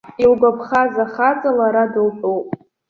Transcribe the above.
Илгәаԥхаз ахаҵа лара дылтәуп.